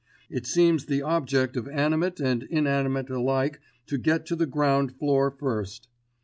It seemed the object of animate and inanimate alike to get to the ground floor first.